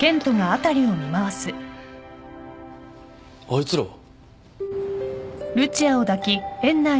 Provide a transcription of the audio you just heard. あいつらは？